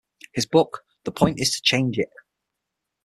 His book The Point Is To Change It!